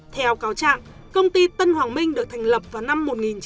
theo cáo chạm công ty tân hoàng minh được thành lập vào năm một nghìn chín trăm chín mươi ba